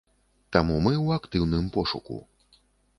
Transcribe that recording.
Таму мы ў актыўным пошуку.